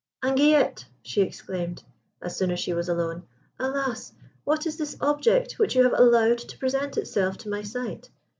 "Anguillette!" she exclaimed, as soon as she was alone. "Alas! what is this object which you have allowed to present itself to my sight?